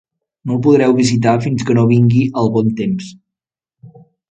No el podreu visitar fins que no vingui el bon temps.